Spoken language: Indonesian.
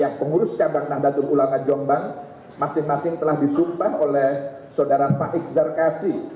yang pengurus kabupaten atambua ulama jombang masing masing telah disumpah oleh saudara faik zarkasi